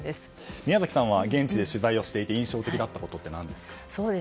宮崎さんは現地で取材していて印象的だったことは何ですか？